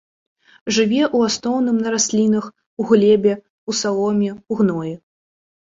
Жыве ў асноўным на раслінах, у глебе, у саломе, у гноі.